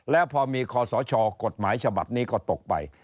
แล้วพอมีคอสชกฎหมายฉบับนี้ก็ตกไป